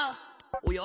おや？